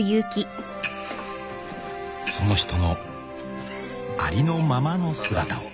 ［その人のありのままの姿を］